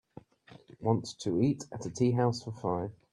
want to eat at a tea house for five